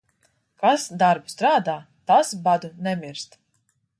Kas darbu strādā, tas badu nemirst.